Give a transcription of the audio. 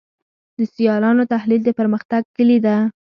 د سیالانو تحلیل د پرمختګ کلي ده.